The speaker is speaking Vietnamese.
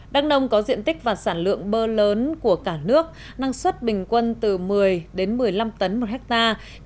đắk nông có diện tích và sản lượng bơ lớn của cả nước năng suất bình quân từ một mươi đến một mươi năm tấn một hectare